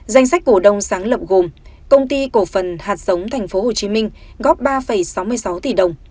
danh sách cổ đông sáng lập gồm công ty cổ phần hạt sống thành phố hồ chí minh góp ba sáu mươi sáu tỷ đồng